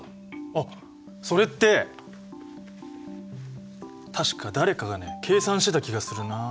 あっそれって確か誰かがね計算してた気がするな。